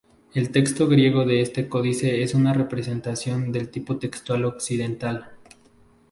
El texto griego de este códice es una representación del Tipo textual occidental.